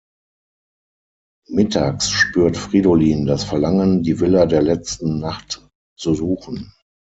Mittags spürt Fridolin das Verlangen, die Villa der letzten Nacht zu suchen.